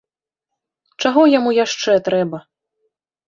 Чаго яму яшчэ трэба?!